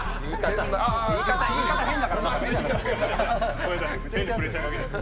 言い方、変だから。